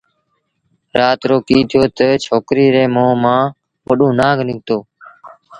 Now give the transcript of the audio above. رآت رو ڪيٚ ٿيو تا ڇوڪريٚ ري مݩهݩ مآݩ وڏو نآݩگ نکتو